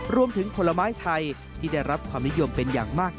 ผลไม้ไทยที่ได้รับความนิยมเป็นอย่างมาก